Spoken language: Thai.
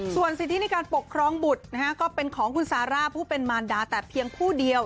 ส่วนสิทธิในการปกครองบุตรก็เป็นของคุณซาร่าผู้เป็นมารดาแต่เพียงผู้เดียว